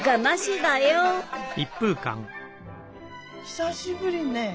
久しぶりね